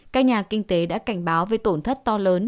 các nhà kinh tế đã cảnh báo về tổn thất to lớn